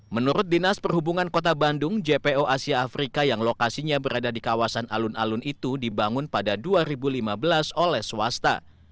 menurut dinas perhubungan kota bandung jpo asia afrika yang lokasinya berada di kawasan alun alun itu dibangun pada dua ribu lima belas oleh swasta